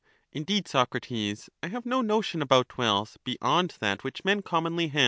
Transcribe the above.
Indeed, Socrates, I have no notion about wealth beyond that which men commonly have.